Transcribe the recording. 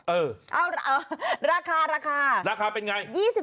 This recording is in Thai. เอ้าราคาราคาราคาเป็นไง